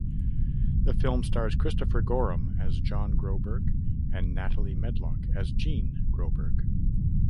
The film stars Christopher Gorham as John Groberg and Natalie Medlock as Jean Groberg.